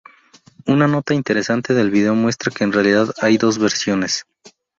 Una nota interesante del vídeo muestra que en realidad hay dos versiones.